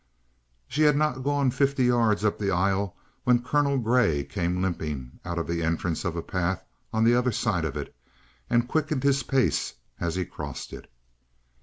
She had not gone fifty yards up the aisle when Colonel Grey came limping out of the entrance of a path on the other side of it, and quickened his pace as he crossed it.